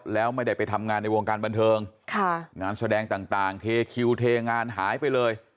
แล้วไม่ได้ไปทำงานในวงการบันเทิงงานแสดงต่างเทคิวเทงานหายไปเลย